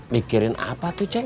mikirin apa tuh ceng